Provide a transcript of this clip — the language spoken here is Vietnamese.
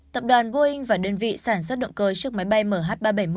tập đoàn boeing và đơn vị sản xuất động cơ chiếc máy bay mh ba trăm bảy mươi